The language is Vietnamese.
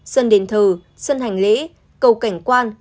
sân đền thờ sân hành lễ cầu cảnh quan